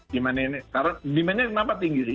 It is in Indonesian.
demandnya kenapa tinggi sih